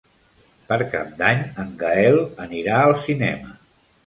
Per Cap d'Any en Gaël anirà al cinema.